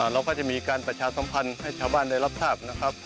เราก็จะมีการประชาสัมพันธ์ให้ชาวบ้านได้รับทราบนะครับ